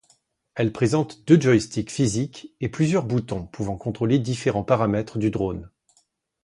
Elle présente deux joysticks physiques et plusieurs boutons pouvant contrôler différents paramètres du drone.